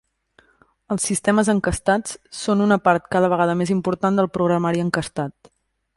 Els sistemes encastats són una part cada vegada més important del programari encastat.